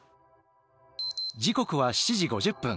時刻は７時５０分。